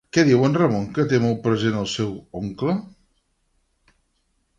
Què diu en Ramon que té molt present el seu oncle?